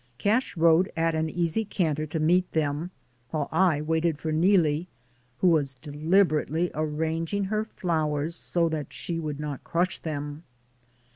Cash rode at an easy canter to meet them, while I waited for Neelie, who was deliberately arranging her flowers so that she would not crush them.